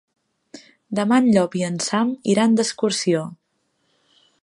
Demà en Llop i en Sam iran d'excursió.